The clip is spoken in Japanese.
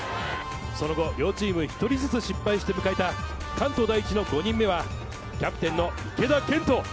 その後、両チーム１人ずつ失敗して迎えた関東第一の５人目はキャプテンの池田健人。